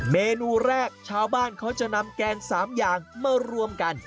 เมนูแรกชาวบ้านเขาจะนำแกง๓อย่างมารวมกัน